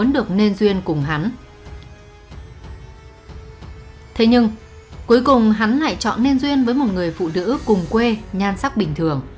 đồng hắn lại chọn nên duyên với một người phụ nữ cùng quê nhan sắc bình thường